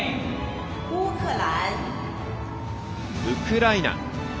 ウクライナ。